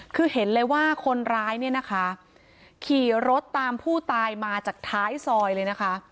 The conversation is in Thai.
คือเห็นเลยว่าคนร้ายเนี่ยนะคะขี่รถตามผู้ตายมาจากท้ายซอยเลยนะคะ